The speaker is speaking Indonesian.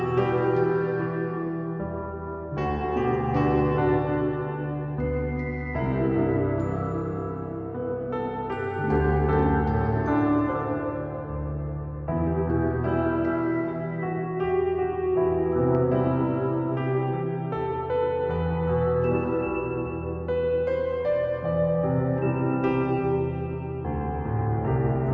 kepala staf angkatan laut